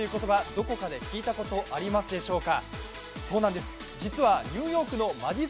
どこかで聞いたことはありますでしょうか？